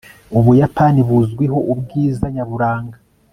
ubuyapani buzwiho ubwiza nyaburanga